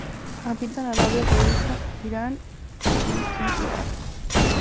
Habita en Arabia Saudita, Irán y en Irak.